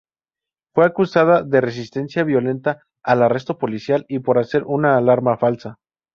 Fue acusada de resistencia violenta al arresto policial, y por hacer una alarma falsa.